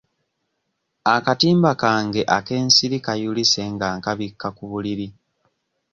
Akatimba kange ak'ensiri kayulise nga nkabikka ku buliri.